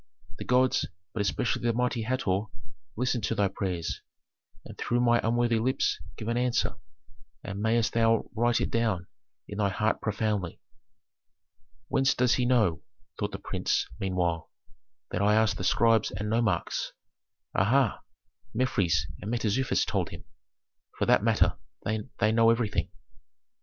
The gods but especially the mighty Hator listened to thy prayers, and through my unworthy lips give an answer, and mayst thou write it down in thy heart profoundly." "Whence does he know," thought the prince, meanwhile, "that I asked the scribes and nomarchs? Aha! Mefres and Mentezufis told him. For that matter, they know everything."